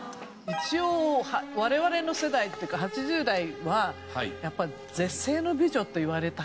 一応我々の世代っていうか８０代はやっぱり絶世の美女といわれたからね。